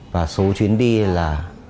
và số chuyến đi là